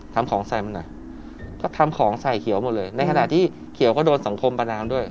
ทำของใส่มันหน่อยก็ทำของใส่เขียวหมดเลยในขณะที่เขียวก็โดนสังคมประนามด้วย